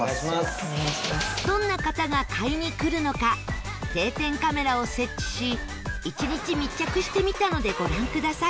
どんな方が買いに来るのか定点カメラを設置し一日密着してみたのでご覧ください